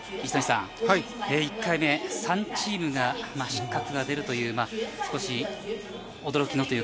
１回目、３チームが失格が出るという驚きの。